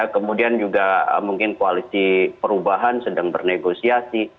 kemudian juga mungkin koalisi perubahan sedang bernegosiasi